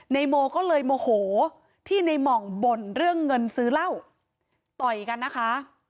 โมก็เลยโมโหที่ในหม่องบ่นเรื่องเงินซื้อเหล้าต่อยกันนะคะ